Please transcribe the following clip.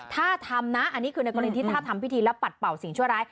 ถ้าทำนะอันนี้คือในกรณีที่ถ้าทำพิธีและปัดเป่าสิ่งชั่วร้าย